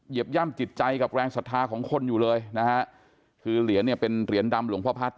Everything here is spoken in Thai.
ยบย่ำจิตใจกับแรงศรัทธาของคนอยู่เลยนะฮะคือเหรียญเนี่ยเป็นเหรียญดำหลวงพ่อพัฒน์